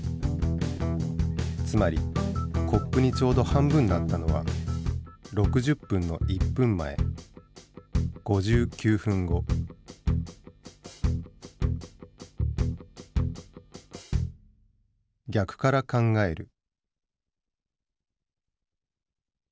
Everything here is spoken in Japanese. つまりコップにちょうど半分だったのは６０分の１分前５９分後。逆から考える。